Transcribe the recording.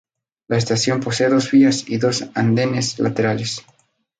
La estación posee dos vías y dos andenes laterales.